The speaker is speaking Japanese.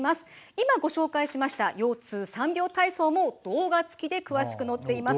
今、ご紹介しました腰痛３秒体操も動画つきで詳しく載っています。